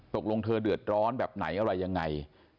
ตกลงเธอเดือดร้อนแบบไหนอะไรยังไง